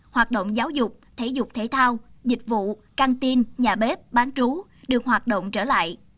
hoạt động giáo dục thể dục thể thao dịch vụ canteen nhà bếp bán chú được hoạt động trở lại